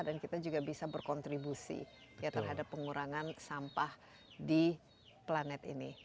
dan kita juga bisa berkontribusi ya terhadap pengurangan sampah di planet ini